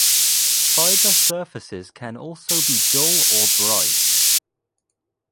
Fiber surfaces can also be dull or bright.